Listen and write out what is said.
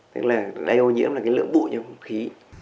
tức là lấy ô nhiễm là cái lượng bụi trong không khí